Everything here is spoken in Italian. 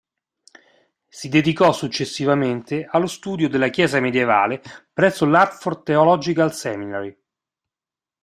Si dedicò successivamente allo studio della Chiesa medievale presso l'Hartford Theological Seminary.